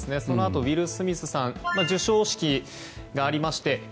そのあと、ウィル・スミスさん授賞式がありまして